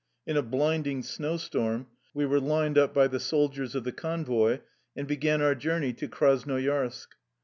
In a blinding snow storm we were lined up by the soldiers of the convoy, and began our journey to Krasnoyarsk.